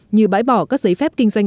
như bãi bỏ các giấy phép kinh doanh